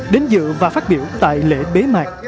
đến dự và phát biểu tại lễ bế mạc